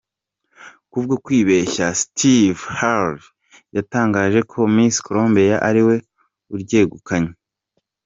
Kubwo kwibeshya, Steve Harvey yatangaje ko Miss Colombia ariwe uryegukanye.